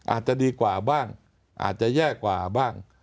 อาจจะดีกว่าบ้างอาจจะแย่กว่าบ้าง